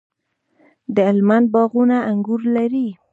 د هلمند باغونه انګور لري.